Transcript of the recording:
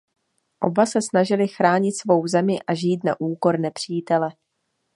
Oba se snažili chránit svou zemi a žít na úkor nepřítele.